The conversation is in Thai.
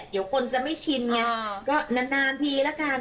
เดี๋ยวคนจะไม่ชินไงก็นานทีละกัน